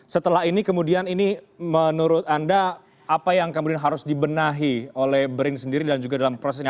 setelah ini kemudian ini menurut anda apa yang kemudian harus dibenahi oleh brin sendiri dan juga dalam proses ini